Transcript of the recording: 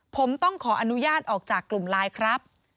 ผมต้องขออนุญาตออกจากกลุ่มไลน์ครับ